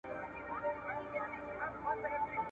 جګړه په میوند کي وه.